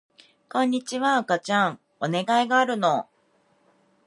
こんにちは赤ちゃんお願いがあるの